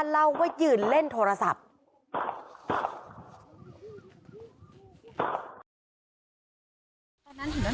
ไม่ได้ลงมาช่วยนั้นแหละคะ